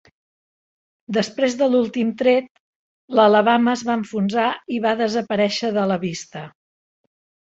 Després de l'últim tret, l'"Alabama" es va enfonsar i va desaparèixer de la vista.